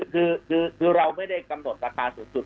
คือเราไม่ได้กำหนดราคาสูงสุด